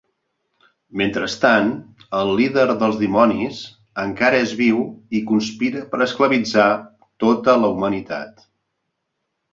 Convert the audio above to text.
Mentrestant, el líder dels dimonis encara és viu i conspira per esclavitzar tota la humanitat.